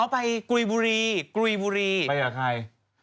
ไปกุยบุรีกุยบุรีไปกับใคร